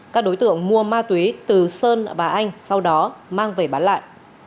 các đối tượng mua ma túy từ sơn bà anh sau đó mang về bán lại